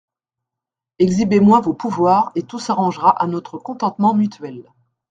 Exhibez-moi vos pouvoirs, et tout s'arrangera à notre contentement mutuel.